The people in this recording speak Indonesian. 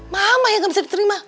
mama yang gak bisa diterima